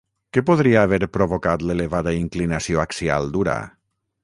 Què podria haver provocat l'elevada inclinació axial d'Urà?